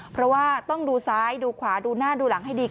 เพราะว่าต้องดูซ้ายดูขวาดูหน้าดูหลังให้ดี